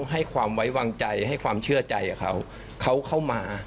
ให้ความไว้วางใจให้ความเชื่อใจกับเขาเขาเข้ามา